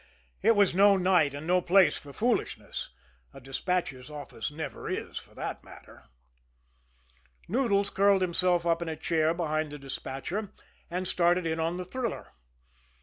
It was no night or no place for foolishness a despatcher's office never is, for that matter. Noodles curled himself up in a chair behind the despatcher and started in on the thriller.